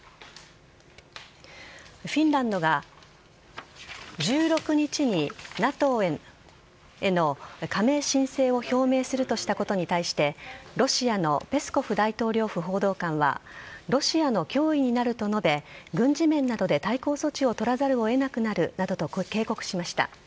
フィンランドが１６日にＮＡＴＯへの加盟申請を表明するとしたことに対してロシアのペスコフ大統領府報道官はロシアの脅威になると述べ軍事面などで対抗措置を取らざるを得なくなるなどと警告しました。